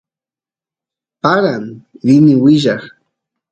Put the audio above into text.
paran rini willay